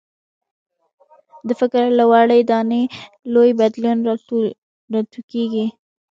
د فکر له وړې دانې لوی بدلون راټوکېږي.